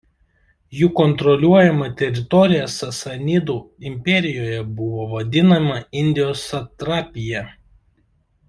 Jų kontroliuojama teritorija Sasanidų imperijoje buvo vadinama Indijos satrapija.